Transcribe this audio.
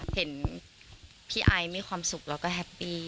เห็นพี่ไอซ์มีความสุขแล้วก็แฮปปี้